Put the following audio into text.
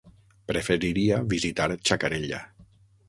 Preferiria visitar Xacarella.